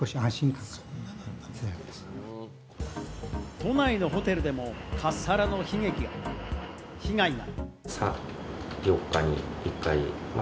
都内のホテルでもカスハラの被害が。